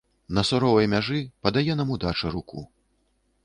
На суровай мяжы падае нам удача руку.